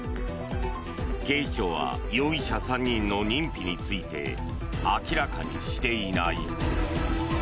警視庁は容疑者３人の認否について明らかにしていない。